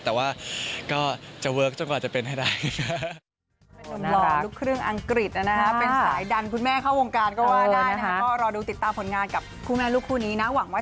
แต่ว่าก็จะเวิร์คจนกว่าจะเป็นให้ได้